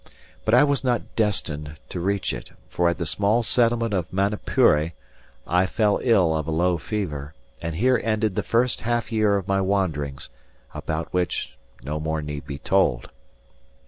But I was not destined to reach it, for at the small settlement of Manapuri I fell ill of a low fever; and here ended the first half year of my wanderings, about which no more need be told.